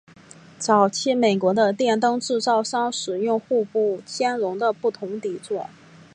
早期美国的电灯制造商使用互不兼容的不同底座。